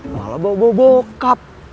malah bau bokap